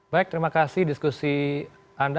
baik terima kasih diskusi anda